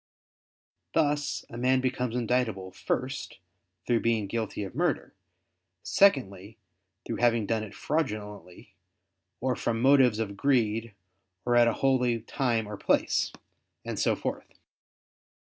Thus a man becomes indictable, first, through being guilty of murder; secondly, through having done it fraudulently, or from motives of greed or at a holy time or place, and so forth.